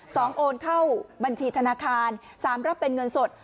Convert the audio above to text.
โอนเข้าบัญชีธนาคารสามรับเป็นเงินสด